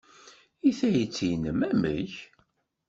I tayet-nnem, amek?